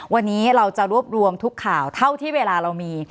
วันนี้เราจะรวบรวมทุกข่าวเท่าที่เวลาเรามี